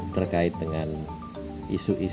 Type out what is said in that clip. terkait dengan isu perdagangan